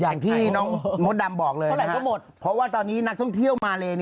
อย่างที่น้องมดดำบอกเลยเท่าไหร่ก็หมดเพราะว่าตอนนี้นักท่องเที่ยวมาเล